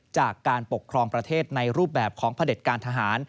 จากการปกครองประเทศในรูปแบบของพระเด็จการทหาร